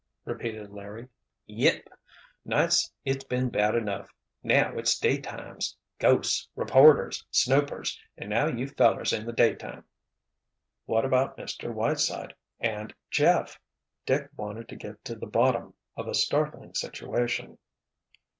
repeated Larry. "Yep! Nights it's been bad enough—now it's daytimes! Ghosts! Reporters! Snoopers! And now you fellers in the daytime!" "What about Mr. Whiteside—and Jeff?" Dick wanted to get to the bottom of a startling situation.